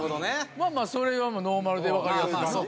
まあまあそれはノーマルでわかりやすい。